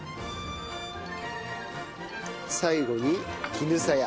最後にきぬさや。